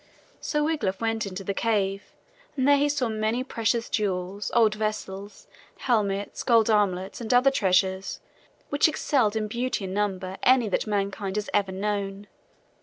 So Wiglaf went into the cave and there he saw many precious jewels, old vessels, helmets, gold armlets and other treasures, which excelled in beauty and number any that mankind has ever known.